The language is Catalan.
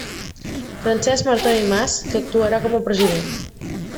Francesc Martori Mas, que actuarà com a president.